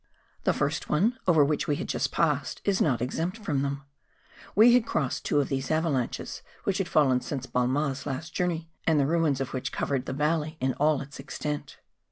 The first one over which we had just passed, is not exempt from them. We had crossed two of these avalanches which had fallen since Balmat's last journey, and the ruins of which covered the valley in all its extent.